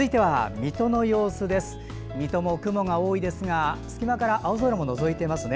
水戸も雲が多いですが隙間から青空ものぞいていますね。